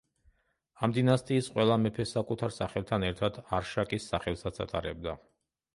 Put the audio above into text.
ამ დინასტიის ყველა მეფე საკუთარ სახელთან ერთად არშაკის სახელსაც ატარებდა.